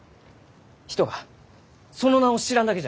人がその名を知らんだけじゃ。